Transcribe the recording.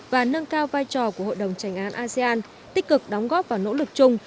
và nâng cao vai trò của hội đồng tranh án asean tích cực đóng góp vào nỗ lực chung